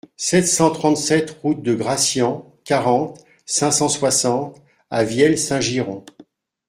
sept cent trente-sept route de Gracian, quarante, cinq cent soixante à Vielle-Saint-Girons